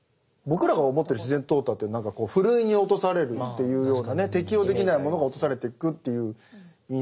僕らが思ってる自然淘汰って何かふるいに落とされるっていうようなね適応できないものが落とされていくという印象なんですけど。